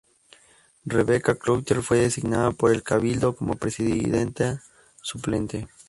Rebeca Clouthier fue designada por el cabildo como presidenta suplente.